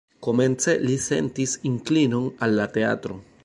Komence li sentis inklinon al la teatro.